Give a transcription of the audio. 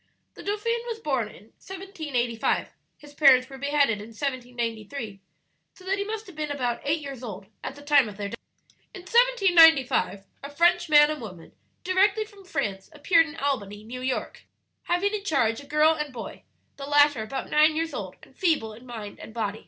"The dauphin was born in 1785, his parents were beheaded in 1793; so that he must have been about eight years old at the time of their death. "In 1795 a French man and woman, directly from France, appeared in Albany, New York, having in charge a girl and boy; the latter about nine years old, and feeble in body and mind.